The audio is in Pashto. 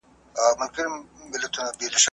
زه مخکي تمرين کړي وو؟